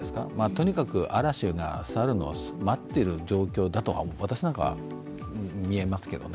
とにかく嵐が去るのを待っている状況だと私なんかは見えますけどね。